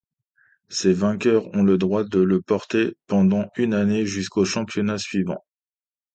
Ces vainqueurs ont le droit de le porter pendant une année jusqu'au championnat suivant.